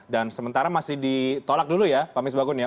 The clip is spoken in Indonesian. dan sementara masih ditolak dulu ya pak amis bakun ya